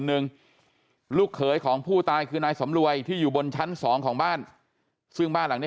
หนึ่งลูกเขยของผู้ตายคือนายสำรวยที่อยู่บนชั้นสองของบ้านซึ่งบ้านหลังนี้